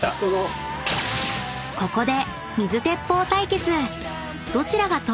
［ここで］